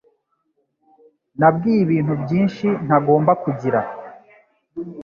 Nabwiye ibintu byinshi ntagomba kugira.